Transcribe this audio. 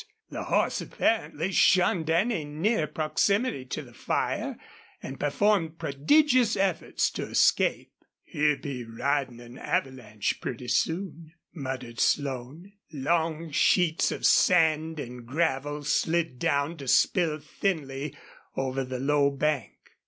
The horse apparently shunned any near proximity to the fire, and performed prodigious efforts to escape. "He'll be ridin' an avalanche pretty soon," muttered Slone. Long sheets of sand and gravel slid down to spill thinly over the low bank.